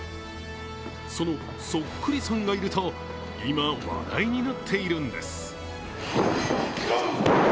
そのそっくりさんがいると今、話題になっているんです。